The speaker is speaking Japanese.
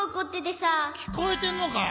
きこえてんのか！